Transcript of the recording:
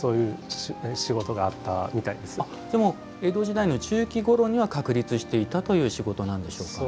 じゃあ江戸時代の中期ごろには確立していたという仕事なんでしょうかね。